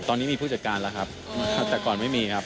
ตอนนี้มีผู้จัดการแล้วครับแต่ก่อนไม่มีครับ